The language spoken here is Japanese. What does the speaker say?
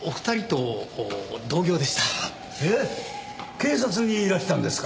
警察にいらしたんですか？